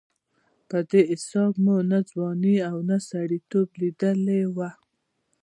په دې حساب مو نه ځواني او نه سړېتوب لېدلې وه.